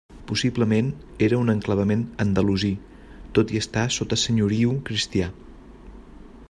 Possiblement era un enclavament andalusí, tot i estar sota senyoriu cristià.